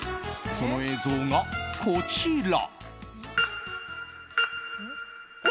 その映像がこちら。